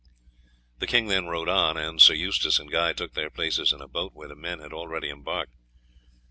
The king then rode on, and Sir Eustace and Guy took their places in a boat where the men had already embarked.